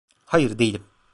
Hayır değilim.